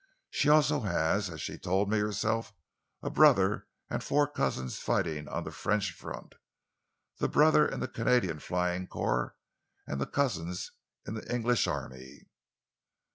She also has, as she told me herself, a brother and four cousins fighting on the French front the brother in the Canadian Flying Corps, and the cousins in the English Army."